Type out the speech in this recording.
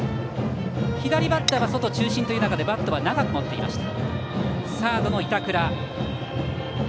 左バッターは外中心という中でバットは長く持っていました。